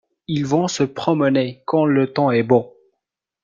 Ils vont se promener quand le temps est beau.